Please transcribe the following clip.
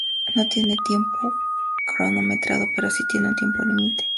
No tiene tiempo cronometrado pero sí tiene un tiempo límite.